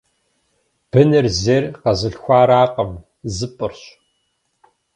Быныр зейр къэзылъхуаракъым - зыпӏырщ.